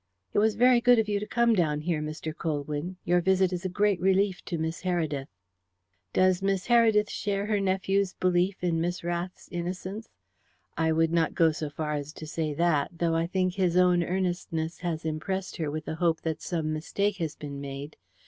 "It was very good of you to come down here, Mr. Colwyn. Your visit is a great relief to Miss Heredith." "Does Miss Heredith share her nephew's belief in Miss Rath's innocence?" "I would not go so far as to say that, though I think his own earnestness has impressed her with the hope that some mistake has been made.